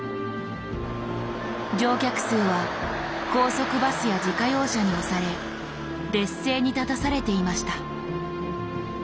乗客数は高速バスや自家用車に押され劣勢に立たされていました。